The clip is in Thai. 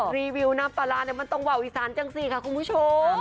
รีวิวน้ำปลาร้าเนี่ยมันต้องว่าวอีสานจังสิค่ะคุณผู้ชม